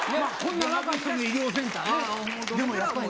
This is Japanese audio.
こんな若い人も医療センターね。